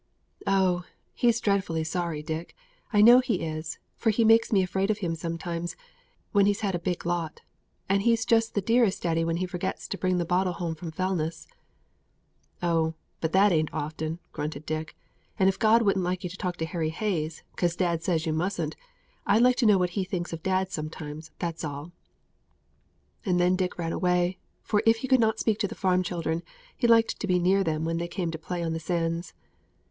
"Oh! He's dreadfully sorry, Dick, I know He is, for He makes me afraid of him sometimes, when he's had a big lot; and he's just the dearest daddy when he forgets to bring the bottle home from Fellness." "Ah, but that ain't often," grunted Dick; "and if God wouldn't like you to talk to Harry Hayes, 'cos dad says you musn't, I'd like to know what He thinks of dad sometimes, that's all." And then Dick ran away, for if he could not speak to the farm children, he liked to be near them when they came to play on the sands.